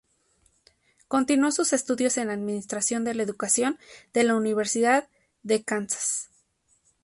Continuó sus estudios en Administración de la Educación de la Universidad de Kansas.